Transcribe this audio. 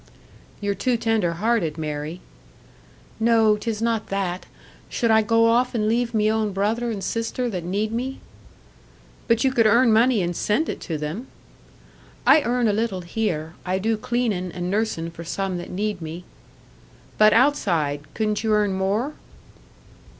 "You're too tender hearted, Mary." "No, 'tis not that! Should I go off and leave me own brother and sister, that need me?" "But you could earn money and send it to them." "I earn a little here I do cleanin' and nursin' for some that need me." "But outside couldn't you earn more?"